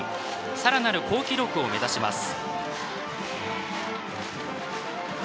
さらなる好記録を目指します。